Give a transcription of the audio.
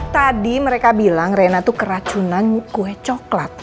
tadi mereka bilang reina itu keracunan kue coklat